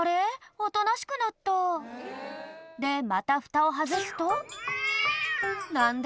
おとなしくなったでまたフタを外すと何だ？